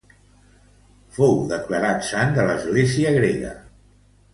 Fou declarat sant de l'església grega.